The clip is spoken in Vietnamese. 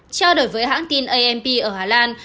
theo đổi với hãng tin amn